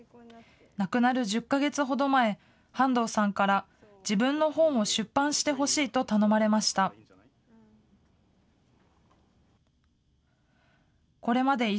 亡くなる１０か月ほど前、半藤さんから、自分の本を出版してほしいと頼まれました。